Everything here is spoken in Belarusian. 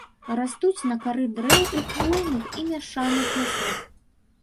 Растуць на кары дрэў у хвойных і мяшаных лясах.